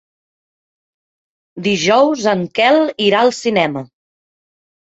Dijous en Quel irà al cinema.